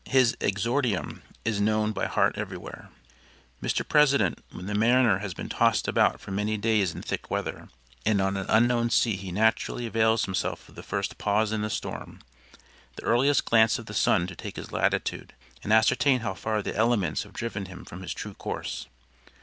His exordium is known by heart everywhere. "Mr. President when the mariner has been tossed about for many days in thick weather and on an unknown sea he naturally avails himself of the first pause in the storm, the earliest glance of the sun to take his latitude and ascertain how far the elements have driven him from his true course.